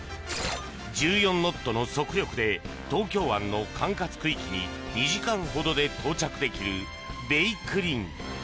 １４ノットの速力で東京湾の管轄区域に２時間ほどで到着できる「べいくりん」。